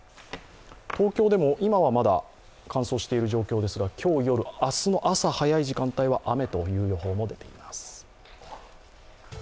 東京でも今はまだ乾燥している状況ですが、今日夜、明日の朝早い時間帯は雨という予報も出ています。